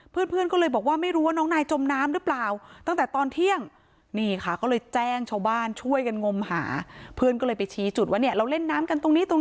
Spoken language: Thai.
เพื่อนก็เลยบอกว่าไม่รู้ว่าน้องนายจมน้ำหรือเปล่า